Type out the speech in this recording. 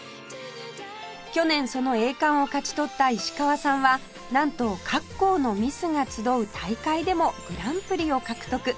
去年その栄冠を勝ち取った石川さんはなんと各校のミスが集う大会でもグランプリを獲得